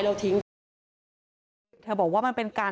สวัสดีคุณผู้ชายสวัสดีคุณผู้ชาย